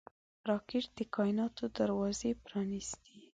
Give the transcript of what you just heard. راکټ د کائناتو دروازې پرانېستي